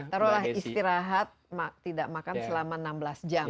taruhlah istirahat tidak makan selama enam belas jam